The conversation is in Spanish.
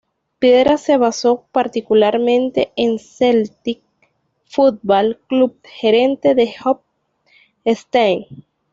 Piedra se basó particularmente en Celtic Football Club gerente de Jock Stein.